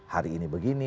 hari ini begini